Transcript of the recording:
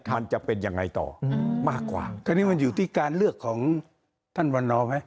มันจะเป็นยังไงต่อมากกว่าคราวนี้มันอยู่ที่การเลือกของท่านวันนอไหม